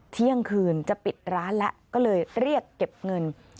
เที่ยงคืนจะปิดร้านแล้วก็เลยเรียกเก็บเงิน